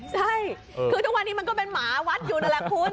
ใช่คือทุกวันนี้มันก็เป็นหมาวัดอยู่นั่นแหละคุณ